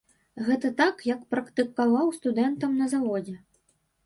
Гэта так, як практыкаваў студэнтам на заводзе.